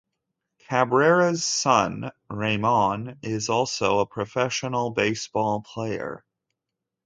Cabrera's son Ramon is also a professional baseball player.